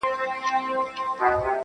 په افغان وطن کي شان د جنتو دی,